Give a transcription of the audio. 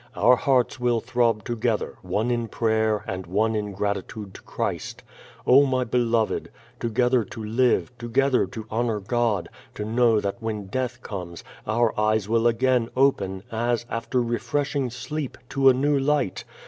Our hearts will throb together, one in pra3"er, and one in gratitude to Christ. Oh, my beloved! Together to live, together to honor God, to know that when Death comes, our eyes will again open, as, after refreshing sleep, to a new light!